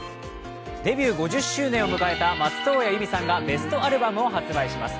デビュー５０周年を迎えた松任谷由実さんがベストアルバムを発売します。